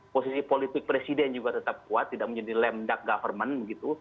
posisi politik presiden juga tetap kuat tidak menjadi lemdak government begitu